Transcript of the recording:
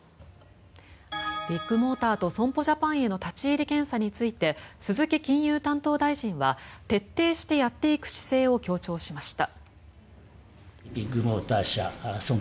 ビッグモーターと損保ジャパンへの立ち入り検査について鈴木金融担当大臣は徹底してやっていく姿勢を強調しました。